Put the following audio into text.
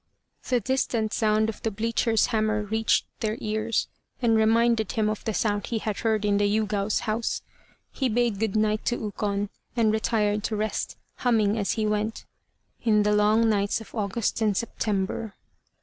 The distant sound of the bleacher's hammer reached their ears, and reminded him of the sound he had heard in the Yûgao's house. He bade "Good night" to Ukon, and retired to rest, humming as he went: "In the long nights of August and September."